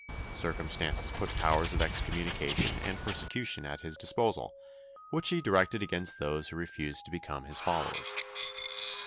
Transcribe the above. Circumstances put powers of excommunication and persecution at his disposal, which he directed against those who refused to become his followers.